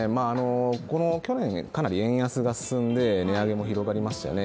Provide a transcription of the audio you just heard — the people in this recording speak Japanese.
去年かなり円安が進んで値上げも広がりましたよね。